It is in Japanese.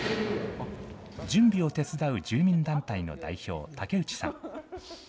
準備を手伝う住民団体の代表、竹内さん。